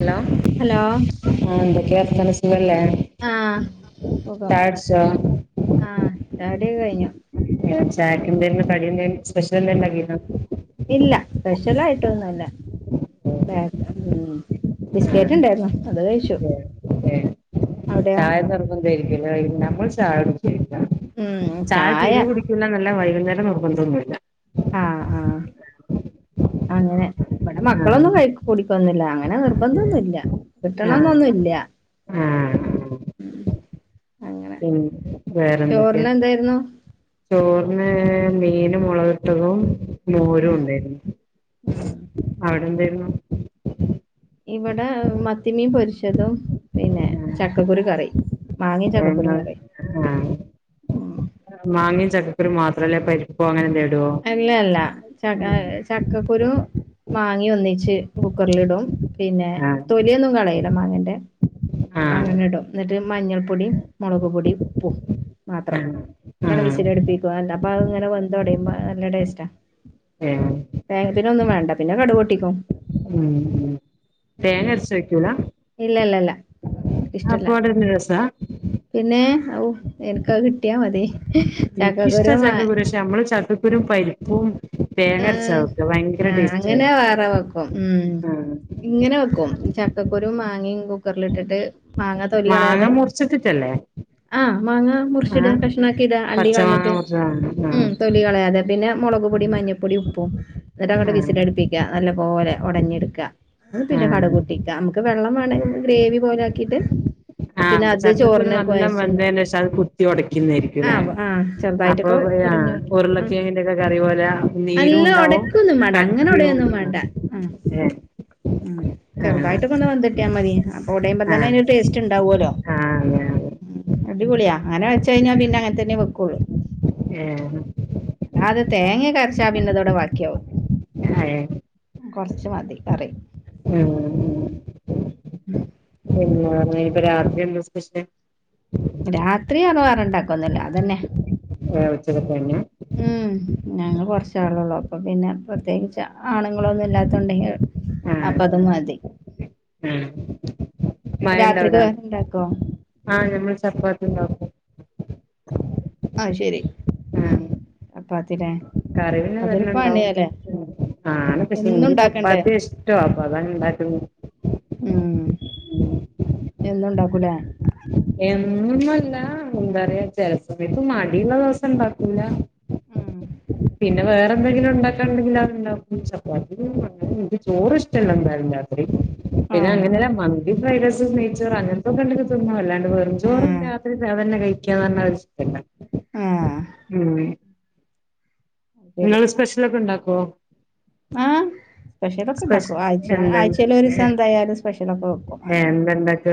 Hello hello ആഹ് എതൊക്കെ വർത്താനം സുഖല്ലേ? ആഹ് സുഖം ചായുടിച്ചോ ആഹ് ചായ കുടിയൊക്കെ കഴിഞ്ഞു ചായക്കെന്തേർന്നു കടിയെന്തേർന്നു സ്പെഷ്യലെന്തേലും ഉണ്ടാക്കീനേ? ഇല്ല സ്പെഷ്യൽ ആയിട്ടൊന്നും ഇല്ല ബേ ഉം ആ ബിസ്കറ്റ് ഉണ്ടായിരുന്നു അത് കഴിച്ചു ഏ അവിടെയോ ചായ നിർബന്ധായിരിക്കുല്ലേ നമ്മള് ചായുട്ക്കലില്ല ചായ തീരേ കുടി ക്കൂലാന്നല്ല വൈകുന്നേം നിർബന്ധൊന്നു ഇല്ല ആഹ് ആഹ് അങ്ങനെ ഇവടെ ആഹ് മക്കളൊന്നും കഴിക്കു കുടിക്കൊന്നു ബല്ല അങ്ങനെ നിർബന്ധൊന്നു നല്ല ആഹ് കിട്ടണംന്നൊന്നു ഇല്ല ആഹ് ഉം പിന്നെ വേറെന്തൊക്കെയാ ചോറിന് എന്തായിരുന്നു ചോറിന് മീന് മൊളക് ഇട്ടതും മോരു ഉം ഉണ്ടായിരുന്നു ഉം അവിടെ എന്തായിരുന്നു ഇവിടെ മത്തിമീൻ പൊരിച്ചതും പിന്നെ ചക്കക്കുരു കറി മാങ്ങയും ഏ ചക്കക്കുരും ഇങ്ങള് കറി ആഹ് ഉം മാങ്ങി ചക്കക്കുരൂം മാത്രടാ പരിപ്പോ അങ്ങനെ എന്തേലും ഇടോ? അല്ലല്ല ച ചക്കക്കുരു മാങ്ങി ഒന്നിച്ച് കുക്കറിലിടും പിന്നെ ആഹ് തൊലിയൊന്നും കളയൂല മാങ്ങന്റെ ആഹ് അങ്ങനടും എന്നിട്ട് മഞ്ഞൾപ്പൊടി മുളക്പൊടി പ്പും മാത്രം ആഹ് ന്നട്ടണ് ആഹ് വിശിലടിപ്പിക്കും അല്ല അപ്പതങ്ങനെ വെന്തൊടയുമ്പ നല്ല ടേസ്റ്റാ ഉം വേ പിന്നൊന്നും വേണ്ട പിന്നെ കടു പൊട്ടിക്കും ഉം ഉം ഉം തേങ്ങ അരച്ച് വെക്കൂല ഇല്ലല്ലല്ല എനക്ക് ഇഷ്ടല്ല [unintelligible] രെസാ പിന്നെ ഔ എനക്കത് കിട്ടിയാ മതി എനിക്കിഷ്ടാ ചക്കക്കുരു മാ പക്ഷെ നമ്മള് ചക്കക്കുരും പരിപ്പും തേങ്ങ അരച്ചാ ആഹ് വെക്ക ഭയങ്കര ആ ടേസ്റ്റാ അങ്ങനെ അത്. വേറെ വെക്കും ഉം ആഹ് ഇങ്ങനെ വെക്കും ചക്കക്കുരും മാങ്ങിയും കുക്കറിലിട്ടിട്ട് മാങ്ങ തൊലി കളയാതെ മാങ്ങ മുറിച്ചിട്ടിട്ടല്ലേ ആഹ് മാങ്ങ മുറിച്ചിടാ ആഹ് കഷ്ണം ആക്കിട്ട് അണ്ടി പച്ചമാങ്ങ കളഞ്ഞിട്ട് മുറിച്ചത് ആഹ് ഉം തൊ- ലികളയാതെ പിന്നെ മൊളക്പ്പൊടി മഞ്ഞ പ്പൊടി ഉപ്പും എന്നിട്ട് അങ്ങട്ട് ആഹ് വിസിലടിപ്പിക്യ നല്ലപോലെ ഒടഞ്ഞെടുക്യ പിന്നെ ആഹ് കടുക് പൊട്ടിക്യ നമുക്ക് വെള്ളം വേണെങ്കി ഗ്രേവി പോലെ ആക്കിയിട്ട് പിന്നെ ആഹ് അത് ചക്കക്കുരു ചോറിന് നല്ലം കൊഴച്ചെന്ന് വെന്തേനേശം അത് കുത്തി ഒടക്കുന്നെ ആയിരിക്കും ല്ലെ ആഹ് ആഹ് അപ്പൊ ചെറുതായിട്ടൊക്കെ ഒടഞ്ഞു [unintelligible] ആഹ് ഉരുളക്കെഴങ്ങിന്റെക്കെ കറി പോലെ നീരും അല്ല ഉണ്ടാവും ഒടക്കൊന്നും വേണ്ട കട്ടിയും അങ്ങനൊടയൊന്നും വേണ്ട ആഹ് ഏ ഉം ആ ചെറുതായിട്ട് കൊണ്ട് വന്നിട്ടാ മതി അപ്പൊ ആ ഒടയുമ്പോതന്നെ അയിന് ഒര് ടെസ് റ്റ് ഇണ്ടാവുല്ലോ ആ അതെ അതെ മ് അടിപൊളിയാ അങ്ങനെ വെച്ച് കയിഞ്ഞാ പിന്നെ അങ്ങനതന്നെ വെക്കോള്ളൂ [unintelligible] അത് തേങ്ങെക്കെ അര ച്ചാ പിന്നതവടെ ബാക്കിയാവും ഏ കൊറച്ച് മതി കറി ഉം ഉം. പിന്നെ ഇനിയിപ്പം രാത്രിയെന്താ സ്പെഷ്യല് രാത്രി വേറെ ഒണ്ടാക്കൊന്നുല്ല അതന്നെ ഏ, ഉച്ചക്കത്തെ തന്നെ ഉം ഞങ്ങള് കൊറച്ചാളൊള്ളൂ അപ്പം പിന്നെ പ്രത്യേകിച്ച് ആണുങ്ങളൊന്നും ഇല്ലാത്തൊണ്ടെ അപ്പ അത് മതി ഉം മഴയിണ്ടേ രാത്രിക്ക് അവിടെ വേറെ ഉണ്ടാക്കോ ആഹ് ഞമ്മള് ചപ്പാത്തി ഒണ്ടാക്കും ആ ശരി മ് ആ ചപ്പാത്തില്ലേ കറി പിന്നെ അതൊരു തന്നെ ഇണ്ടാവും പണിയാല്ലേ ആണ് പക്ഷെ എന്നും എനിക്ക് ഉണ്ടാക്കണ്ടേ ചപ്പാത്തി ഇഷ് ടാ അപ്പം അതാ ഞാൻ ഇണ്ടാക്കുന്നേ ഉം എന്നും ഇണ്ടാക്കൂലെ എന്ന് എന്നൂല്ല എന്താ പറയാ ചെലസമയത്ത് മടിയുള്ള ദിവസം ഇണ്ടാക്കൂല്ല ആഹ് പിന്നെ വേറെ എന്തെങ്കിലും ഉണ്ടാക്കാൻ ഉണ്ടെങ്കില് അത് ഉണ്ടാക്കും ചപ്പാത്തി എനിക്ക് ചോറ് ഇഷ്ടല്ല എന്തായാലും രാത്രി പിന്നെ ആഹ് അങ്ങനല്ല മന്തി, ഫ്രൈറൈസ്, നെയ്യ്ച്ചോറ് അങ്ങനത്തൊക്കെ ഇണ്ടെങ്കി തിന്നും അല്ലാ വെറും ചോറും ആഹ് രാത്രി അതന്നെ കഴിക്കാന്ന് പറഞ്ഞാ ഒര് സുഖമില്ല ആഹ് ഉം അത് ശരി നിങ്ങള് സ്പെഷ്യലൊക്കെ ഒണ്ടാക്കോ ആഹ് സ്പെഷ്യലൊക്കെ സ്പെഷ്യൽ ഇണ്ടാക്കും ആഴ്ചേല് എന്ത ആഴ്ചേല് ഒര്സം എന്തായാലും സ്പെഷ്യലൊക്കെ വെക്കും അങ്ങനെ വെണ്ടക്ക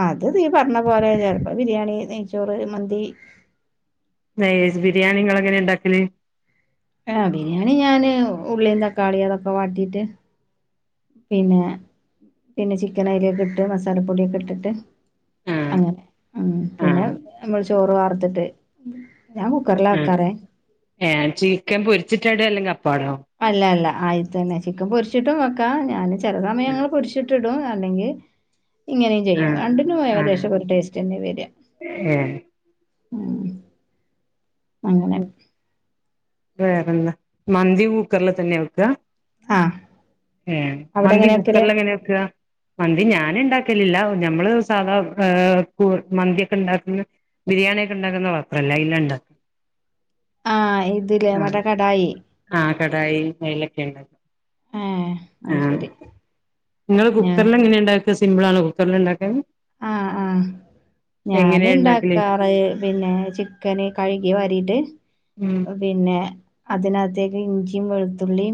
അത് നീ പറഞ്ഞ പോലെ ചെലപ്പം ബിരിയാണി, നെയ്യ്ച്ചോറ്, മന്തി നൈസ് ബിരിയാണി നിങ്ങള് എങ്ങനെയാ ഇണ്ടാക്കല് ആഹ് ബിരിയാണി ഞാന് ഉള്ളയും തക്കാളിയും അതൊക്കെ വാട്ടിട്ട് പിന്നെ പിന്നെ ചിക്കൻ അയിലേക്കിട്ട് മസാലപ്പൊടിയൊക്കെ ഇട്ടിട്ട് ആഹ് അങ്ങനെ ഉം പിന്നെ ആഹ് ഞമ്മള് ചോറ് വാർത്തിട്ട് ഞാൻ കു ക്കറിലാ ആഹ് വെക്കാറേ ഏഹ് ചിക്കൻ പൊരിച്ചിട്ടാട അല്ലെങ്കിൽ അപ്പാടോ അല്ല അല്ല ആയിത്ത തന്നെ ചിക്കൻ പൊരിച്ചിട്ടും വെക്കാ ഞാൻ ചില ആ സമയങ്ങൾ പൊരി ചിറ്റടും അല്ലെങ്കിൽ ഇങ്ങനെയും ചെയ്യും ആഹ് രണ്ടിനും ആഹ് ഏകദേശം ഒരു ടേസ്റ്റ് തന്നെ വരിക ഏഹ് ഉം അങ്ങനെ വേറെന്താ മന്തി കുക്കറിൽ തന്നെ വെക്ക ആഹ് ഏഹ് അവിടെ മന്തി എങ്ങനെ വെക്കല് കുക്കറിലെങ്ങനെ വെക്ക? മന്തി ഞാന്ണ്ടാക്കലില്ല ഞമ്മള് സാധാ വെ ഇഹ്‌ മന്തിയൊക്കെണ്ടാക്കുന്ന ബിരിയാണി ഒക്കെണ്ടാക്കുന്ന പാത്രല്ലേ അയ്‌ലണ്ടാക്കല്. ആഹ് ഇതില്ലേ മറ്റേ ആഹ് കടായി ആഹ് കടായി അയ്ലൊക്കെണ്. ഏഹ് അത് ആഹ് ശരി ങ്ങള് ഞാ കുക്കറല് എങ്ങനെയുണ്ട സിംപിലാണോ കുക്കറിൽണ്ടാക്കാന് ആഹ് ആഹ് ഇണ്ടാക്കല് ഞാനുണ്ടാക്കാറ് പിന്നെ ചിക്കന് കഴുകി വാരിട്ട് ഉം പിന്നെ അതിനകത്തേക്ക് ഇഞ്ചി വെളുത്തുള്ളി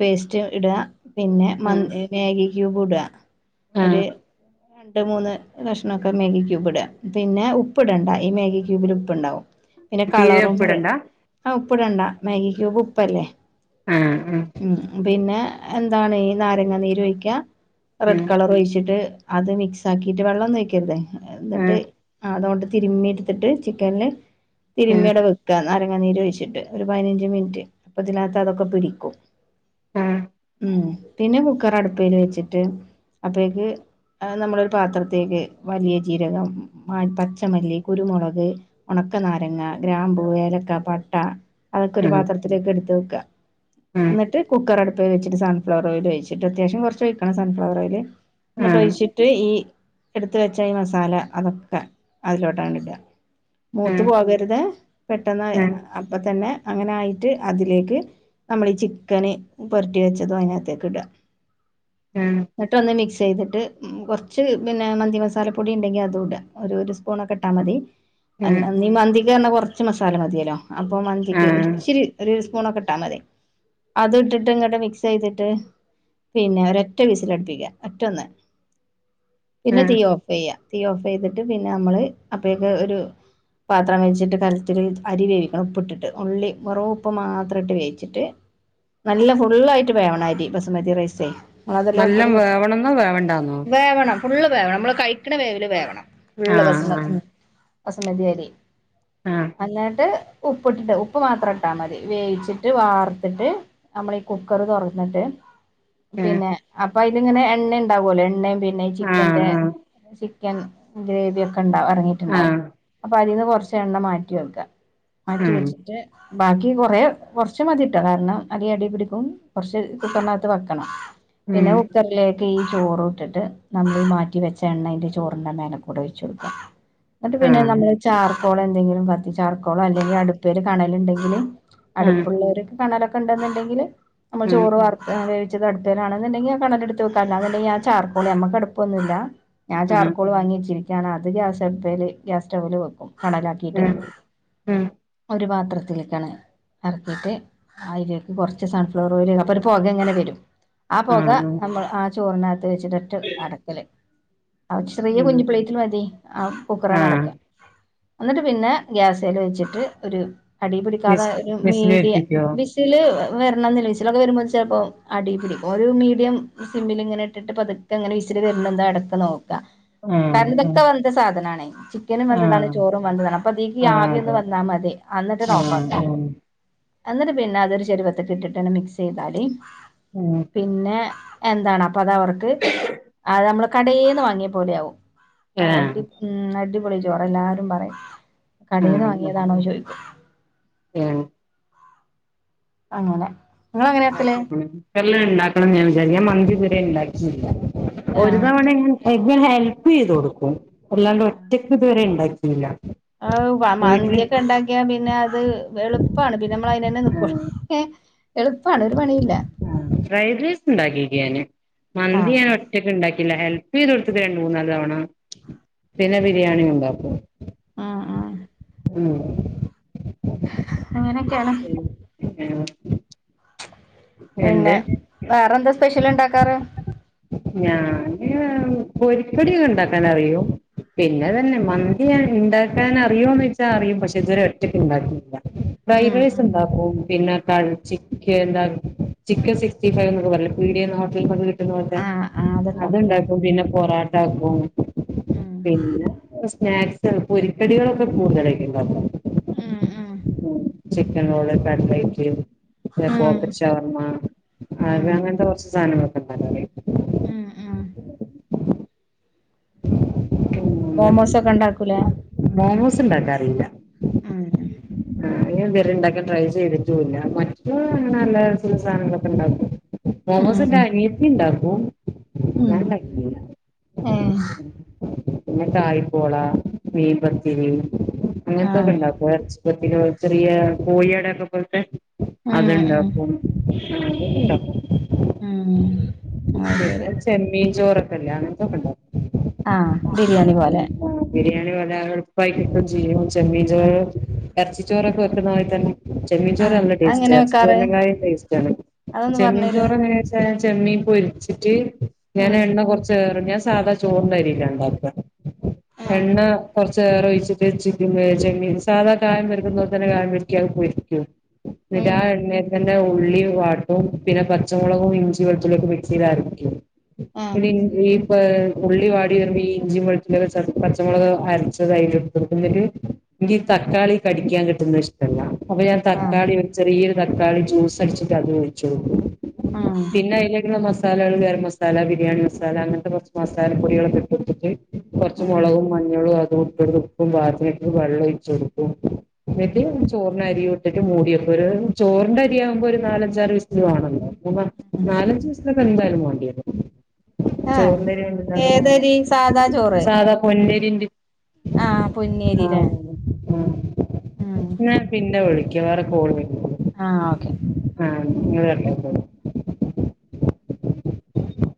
പേസ്റ്റ് ഇട പിന്നെ മൻ ആഹ് മേഗി ക്യൂബുട ആഹ് ഒര് രണ്ട് മൂന്ന് കഷ്ണംക്കെ മേഗി ക്യൂബ്ട പിന്നെ ഉപ്പ് ഇടണ്ട ഈ മേഗി ക്യൂബിൽ ഉപ്പുണ്ടാവും പിന്നെ തീരെ കളറും ഉപ്പിടണ്ട ആഹ് ഉപ്പിടണ്ടാ മാഗി ക്യൂബ് ഉപ്പല്ലേ ആഹ് ആഹ് ഉം പിന്നെ എന്താണ് ഈ നാരങ്ങ നീര് ഒഴിക്ക റെഡ് കളർ ഒഴിച്ചിട്ട് അത് മിക്സ് ആക്കിട്ട് വെള്ളൊന്നും ഒഴിക്കരുത് എന്നിട്ട് ആഹ് അതൊണ്ട് തിരുമ്മി എടുത്തിട്ട് ചിക്കനില് ആഹ് തിരുമ്മിയവടെ വെ നാരങ്ങ നീര് ഒഴിച്ചിട്ട് ഒരു പതിനഞ്ച് മിനിറ്റ് അപ്പൊ ഇതിനകത്ത് അതൊക്കെ പിടിക്കും. ആഹ് ഉം പിന്നെ കുക്കറ് അടുപ്പേല് വെച്ചിട്ട് അപ്പോഴേക്കും നമ്മള് പാത്രത്തേക്ക് വലിയ ജീരകം പച്ചമല്ലി കുരുമുളക് ഉണക്കനാരങ്ങ ഗ്രാമ്പു ഏലക്ക പട്ട അതൊക്കെ ഒരു ആഹ് ആഹ് പാത്രത്തിലേക്ക് എടുത്ത് വയ്ക്ക ആഹ് എന്നിട്ട് കുക്കറ് അടുത്ത് വെച്ചിട്ട് സൺഫ്ലവർഓയിൽ ഒഴിച്ചിട്ട് അത്യാവ്യശ്യം കുറച്ച്ഴിക്കണം സൺഫ്ലവർഓയില് എന്നിട്ട് ആഹ് ഒഴിച്ചി ട്ട് ഈ എടുത്ത് വെച്ച മസാല അതൊകെ അതിലോട്ടങ്ങട്ട് ഇടാ ഉം മൂത്തു പോകരുത് പെട്ടെന്ന് ഉം അപ്പ തന്നെ അങ്ങനെയായിട്ട് അതിലേക്ക് നമ്മള് ചിക്കന് പൊരട്ടി വെച്ചതും അതിനകത്തേക്ക് ഇട ആഹ് ഇന്നിട്ട് ഒന്ന് മിക്സ് ചെയ്തിട്ട് കൊ കൊറ്ച്ച് പിന്നെ മന്തി മസാലപ്പൊടി ഇണ്ടെങ്കി അതുടാ ഒര് സ്പൂണൊക്കെ ഇട്ടാമതി ഉം അല്ലെങ്കി മന്തി ന്തിറങ്ങാ കുറച്ച് മസാല മതിയല്ലോ അപ്പൊ മന്തിക്ക് ആഹ് ഒരി ഇച്ചിരി ഒരു സ്പൂണൊക്കെ ഇട്ടാ മതി. അത് ഇട്ടിട്ട് ഇങട്ട് മിക്സ്യ്തിട്ട് പിന്നെ ഒരൊറ്റ വിസിൽടുപ്പിക്ക ഒറ്റ ഒന്ന് പിന്നെ ആഹ് തീ ഓഫ് ചെയ്യാ തീ ഓഫ് ചെയ്തിട്ട് പിന്നെ നമ്മള് അപ്പഴൊക്കും ഒരു പാത്രം വെച്ചിട്ട് കലത്തിൽ അരി വേവിക്കണം ഉപ്പ് ഇട്ടിട്ട് ഉള്ളി വെറും ഉപ്പ് മാത്രം ഇട്ട് വേവിച്ചിട്ട്. നല്ല ഫുള്ള് ആയിട്ട് വേവണരി ബസുമതി റൈസ്. നല്ലം വേവണംന്നോ വേവണ്ടാന്നോ? വേവണം ഫുള്ള് വേവണം നമ്മള് കഴിക്കണ വേവൽ വേവണം ഫുള്ള് ആഹ് ബസ്മ ആഹ് ഉം ബസുമതിയരി. ആഹ് എന്നിട്ട് ഉപ്പ് ഇട്ടിട്ട് ഉപ്പ് മാത്രം ഇട്ടാൽ മതി വേവിച്ചിട്ട് വാർത്തിട്ട് നമ്മള് ഈ കുക്കറ് തൊറന്നിട്ട് ഏഹ് പിന്നെ അപ്പൊ അയിങ്ങനെ എണ്ണ ഉണ്ടാവുല്ലോ എണ്ണയും പിന്നെ ഈ ചിക്കന്റെ ആഹ് ചിക്കൻ ഗ്രേവിയൊക്കെണ്ടാവും എറങ്ങിയിട്ടുണ്ടാവും ആഹ് അപ്പൊ അതിൽന്ന് കുറച്ച എണ്ണ മാറ്റി വെക്ക മാറ്റി ആഹ് വെച്ചിട്ട് ബാക്കി കൊറെ കുറച് മതിട്ടാ കാരണം അരി അടീ പിടിക്കും. കൊറച്ച് കുക്കറികത്ത് വെക്കണം ഉം പിന്നെ ഉം കുക്കറിലേക്ക് ഈ ചോറൂട്ടിട്ട്. ട്ട് നമ്മൾ മാറ്റി വെച്ച എണ്ണ അയ്ന്റെ ചോറിന്റെ മേലെകൂടെ ഒഴിച്ച് കൊടുക്കാം എന്നിട്ട് പിന്നെ ആഹ് നമ്മള് ചാർക്കോളന്തെങ്കിലും കത്തി ചാർക്കോളോ എന്തെങ്കിലും അടുപ്പില് കണലുണ്ടെങ്കില് ആഹ് അടുപ്പുള്ളോർക്ക് കണലൊക്കെണ്ട് ന്നുണ്ടെങ്കില് നമ്മള് ഉം ചോറ് വാർത്ത ടുപ്പലാണെന്നുണ്ടെങ്ക കണല്ടുത്ത് വെക്കാ അല്ലാന്ന്ണ്ടെങ്കി ഞമ്മക്ക് അണ്ടെ ഞ ചാർക്കോള നമ്മുക്ക് അടുപ്പൊന്നില്ല ഞാൻ ഉം ചാർക്കോള് വാങ്ങിെവെച്ചിനു അത് ഗ്യാസ്അടുപ്പേല് ഗ്യാസ് സ്റ്റവില് വെക്കും കണലാക്കി ന്ന്ട്ട് ഉം ഉം ഒരു പാത്രത്തിലിട്ട് എറക്കിട്ട് അയിലേക്ക് കൊറച്ച് സൺഫ്ലവർ ഓയിൽ അപ്പൊരു പൊക ഇങ്ങനെ വരും ആഹ് പൊക അമ്മള് ആഹ് ചോറിനകത്ത് വെച്ചിട്ട് ട്ട് അടക്കല് അഹ് ചെറിയ ഉം കുഞ്ഞു പ്ലേറ്റില് മതി ആഹ് കുക്കറാൻ ആഹ് അടക്ക എന്നിട്ട് പിന്നെ ഗ്യാസേല് വെച്ചിട്ട് ഒരു അടി പിടിക്കാതെ വിസ് ഒരു വിസില് മീഡിയ കേൾപ്പിക്കോ വിസ് ല് വെരണന്നില്ല വിസിലൊക്കെ വരുമ്പൊ ചെലപ്പൊ അടീപ്പിടി ഒരു മീഡിയം സിമ്മിൽ ഇങ്ങനെ ഇട്ടിട്ട് പതു ഇത് അങ്ങനെ വിസില് വെരണെന്താ എടക്ക് നോക്കാ കാരണം ആഹ് ഇതൊക്കെ വെന്ത സാധനാണേ ചിക്കനും ആഹ് വെന്ത താണ് ആഹ് ചോറും വെന്തതാണ് അപ്പൊ ഇതീക്ക് ആഹ് ആവി ഒന്ന് അതെ വന്നാ മതി അന്നിട്ട് ഇത് ഓഫ് ആക്കാ ആഹ് ആഹ് അന്നിട്ട് പിന്നെ അതൊരു ചെരുവത്തൊക്കെ ഇട്ടിട്ട് ഒന്ന് മിക്സെയ്താല് ഉം പിന്നെ എന്താണ് അപ്പം അത് അവർക്ക് അത് നമ്മള് കടേന്ന് വാങ്ങിയപോലെ ആവും അതെ അടി ഉം അടിപൊളി ചോറ് എല്ലാരും പറയും കടേന്ന് വാങ്ങിയതാണോ ചോയിക്കും ഏഹ് അങ്ങനെ നിങ്ങള് അങ്ങനെ ആക്കല് ണ്ടാക്കിയോക്കണം കുക്കറിൽ ഇ ണ്ടാക്കണന്ന് ഞാൻ വിചാരിക്കും ഞാൻ മന്തി ഇതുവരെ ഇണ്ടാക്കിയില്ല ഒരു ആഹ് തവണെ [unintelligible] ഹെൽപ്പെയ്ത് കൊടുക്കും അല്ലാണ്ട് ഒറ്റക്ക് ഇതുവരെ ഇണ്ടാക്കിയില്ല ഔ വ മന്തിയൊക്കെ ഇണ്ടാക്കിയാ പിന്നെ അത് എളുപ്പാണ് പിന്നെ നമ്മള് അയിനെന്നെ നിക്കുള്ളു ആഹ് എളുപ്പാണ് ആഹ് ഫ്രൈഡ് റൈസ് ഇണ്ടാക്കിക്കേന് ആഹ് മന്തിയാണ് ഒറ്റക്ക് ഇണ്ടാക്കില്ല ഹെല്പ് ചെയ്ത് കൊടുത്ത്ക്ക്‌ രണ്ടു മൂന്നാല് തവണ പിന്നെ ബിരിയാണി ഇണ്ടാക്കും ആഹ് ആഹ് ഉം അങ്ങനെയൊക്കെയാണ് [unintelligible] പിന്നെ എന്ത് വേറെ എന്താ സ്പെഷ്യൽ ഇണ്ടാക്കാറ് ഞാന് പൊരി കടി യൊക്കെ ഉണ്ടാക്കാൻ അറിയും പിന്നെ ഇത് തന്നെ മന്തി ഞാൻ ഇ ണ്ടാക്കാൻ അറിയോന്നോയിച്ചാൽ അറിയും പക്ഷെ ഇതുവരെ ഒറ്റക്ക് ഇണ്ടാക്കില്ല ഫ്രൈഡ് ഉം ഉം റൈസ്ണ്ടാക്കും പിന്നെ കൾ ചിക്കൻ ണ്ടാ ചിക്കൻ സിക്സ് റ്റി ഫൈവ് ന്നൊക്കെ പറയില്ല പീടിയേന്നും ഹോട്ടൽ അതുപോലത്തെ ആഹ് ആഹ് അതുണ്ടാക്കൂലേ അത്ണ്ടാക്കും പിന്നെ പൊറാട്ട ആക്കും ഉം പിന്നെ സ്നാക്സ് പൊരിക്കടികളൊക്കെ കൂടുതലായിട്ട് ഉണ്ടാക്കും ഉം ഉം ചിക്കൻ റോള്, കട്ട്ലൈറ്റ്, പിന്നെ ഉം പോക്കറ്റ് ഷവർമ്മ അത് ഉം അങ്ങനത്തെ കൊറച്ച് സാനങ്ങളൊക്കെ ഇണ്ടാക്കാനറിയും ഉം ഉം [inaudible] മോമോസ് ഒക്കെ ഉണ്ടാക്കൂലേ മോമോസ് ഇണ്ടാക്കാനറിയില്ല ആഹ് ആഹ് അങ്ങനെ ഇതുവരെ ഇണ്ടാക്കാൻ ട്രൈ ചെയ്തിട്ടൂ ഇല്ല മറ്റൂ അങ്ങനെ അല്ലറ ചില്ലറ സാനങ്ങളൊക്കെ ഇണ്ടാക്കും മോമോസ് ഉം എന്റെ അനിയത്തി ഇണ്ടാക്കും ഞാൻ ഉം ഇണ്ടാക്കുല ഏഹ് പിന്നെ കായ്പൂള മീൻപത്തിരി അങ്ങനത്തൊക്കെ ആഹ് ഉണ്ടാക്കും എറച്ചി [unintelligible] ചെറിയ കോഴിയടക്കെ പോല്ത്തെ ഉം ഉം അത്ണ്ടാക്കും. [unintelligible] ഇണ്ടാക്കും ഉം അത് ശരി പിന്നെ ചെമ്മീൻ ചോറൊക്കെല്ലേ അങ്ങൻത്തൊക്കെണ്ടാക്കും. ആഹ് ബിരിയാണി പോലെ ബിരിയാണി പോലെ അതെള്പ്പായി കിട്ടും ചെയ്യും ചെമ്മീൻ ആഹ് ചോറ് എർച്ചിച്ചോറൊക്കെ വെക്കണാരി തന്നെ ചെമ്മീൻ ചോറ് ആഹ് നല്ല ടേസ്റ്റാ അതെങ്ങനെ എർച്ചീ വെക്കാറ് ചോറിനേക്കാളിം ക ടേസ്റ്റാണ്. അതൊന്ന് ചെമ്മീൻ പറഞ്ഞു തരോ ചോറെങ്ങനെ [unintelligible] ചെമ്മീൻ പൊരിച്ച്ട്ട് ഞാൻ ഉം എണ്ണ കൊർച്ചേറും ഞാൻ സാധാ ച് ചോറ്ൻ്റരീലാ ണ്ടക്ക ഉം എണ്ണ കൊ ർച്ചേറൊഴ്ച്ചിട്ട് ചിക്കൻ ഏഹ് ചെങ്ങീൻ സാധാ കായം വരക്കുന്ന പോൽ തന്നെ കായം വെര്റ്റി അത് പൊരിക്കും. ന്നട്ടാ ഉം എണ്ണ തന്നെ ഉള്ളിം വാട്ടും പിന്നെ പച്ചമുളകും ഇഞ്ചിം വെളുത്തുള്ള്യക്കെ മിക്സിയിലരക്കും. ഏഹ് ഇന്ന ടിൻ ഈ പാ ഉള്ളി വാടി വെരുമ്പോ ഈ ഇഞ്ചിം വെളുത്തുള്ള്യക്കെ ചത പച്ചമുളക് അര്ച്ചതായ്ല്ട്ട്ട്ട് ന്നട്ട് ഇൻക്കീ തക്കാളി കടിക്കാൻ കിട്ടുന്നഷ് ട്ടല്ല അപ്പ ഞാൻ ആഹ് തക്കാളി ഒര് ചെറീയൊരു തക്കാളി ജ്യൂസടിച്ചിട്ട് അതു ഒഴിച്ചൊടുക്കും. ഉം പിന്നെ അയ്ല്ട്ണ മസാലകൾ ഗരം മസാല, ബിരിയാണി മസാല അങ്ങൻത്തെ കൊ മസാലപ്പൊടികളൊക്കെ [unintelligible] കൊർച്ച് ഉം മുളകും മഞ്ഞളും [unintelligible] ഇപ്പം ബാത്രക്ക് വെള്ളൊഴ്ചൊട്ക്കും. ന്നട്ട് ചോറിനരിട്ടിട്ട് മൂടിയക്ക ഒര് ചോറിന്റെരിയാവുമ്പോ ഒര് നാലഞ്ചാറ് വിസ്‌ല് വാണല്ലോ. [unintelligible] നാലഞ്ച് വിസിലൊക്കെ എന്തായാലും മാണ്ട്യെരും. എഹ ഏതരി സാധാ ചോറ്. അതാ പൊന്നരിൻ്റിം ആഹ് പൊന്നരില്ലേ ആഹ് ഉം എന്നാ പിന്നെ വിളിക്ക വേറെ കോള് വെര്ന്ന്ണ്ട്. ആഹ് ഓക്കെ ആഹ് ഇഞ് വെര്ല്ലാ കോള്